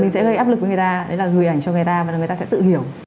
sẽ gây áp lực với người ta đấy là gửi ảnh cho người ta và người ta sẽ tự hiểu